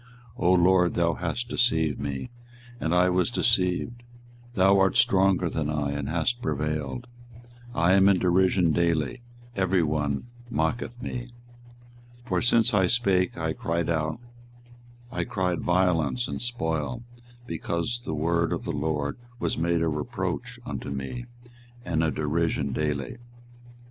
24:020:007 O LORD, thou hast deceived me, and I was deceived; thou art stronger than I, and hast prevailed: I am in derision daily, every one mocketh me. 24:020:008 For since I spake, I cried out, I cried violence and spoil; because the word of the LORD was made a reproach unto me, and a derision, daily.